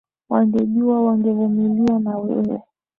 Wangejua wangevumilia na wewe